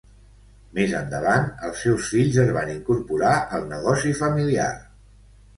Més endavant, els seus fills es van incorporar al negoci familiar.